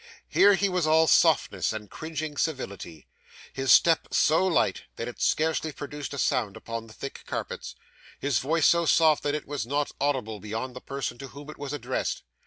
Here he was all softness and cringing civility; his step so light, that it scarcely produced a sound upon the thick carpets; his voice so soft that it was not audible beyond the person to whom it was addressed.